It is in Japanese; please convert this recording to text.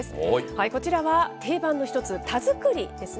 こちらは定番の一つ、田作りですね。